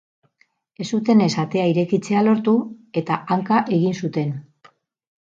Ez zutenez atea irekitzea lortu, eta hanka egin zuten.